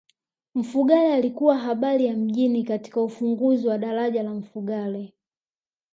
mfugale alikuwa habari ya mjini katika ufunguzi wa daraja la mfugale